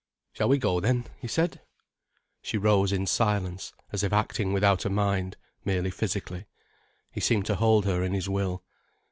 "Shall we go, then?" he said. She rose in silence, as if acting without a mind, merely physically. He seemed to hold her in his will.